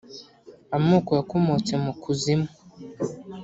Amoko yakomotse mu kuzimu